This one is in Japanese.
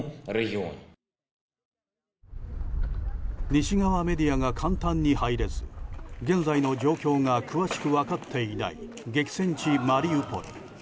西側メディアが簡単に入れず現在の状況が詳しく分かっていない激戦地マリウポリ。